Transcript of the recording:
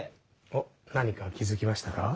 おっ何か気付きましたか？